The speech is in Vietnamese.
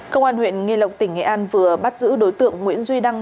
công an huyện nghi lộc tỉnh nghệ an vừa bắt giữ đối tượng nguyễn duy đăng